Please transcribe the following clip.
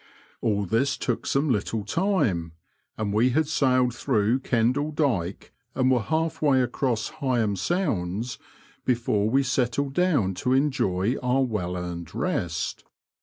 All this took some little time, and we had sailed through Kendall Dyke and were half way across Heigham Sounds before we settled down to enjoy our well earned rest.